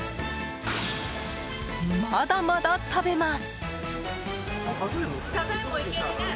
まだまだ食べます。